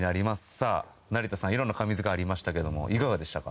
さあ成田さん色んな神図解ありましたけどもいかがでしたか？